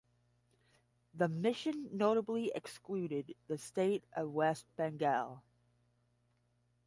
The mission notably excluded the state of West Bengal.